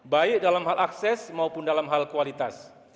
baik dalam hal akses maupun dalam hal kualitas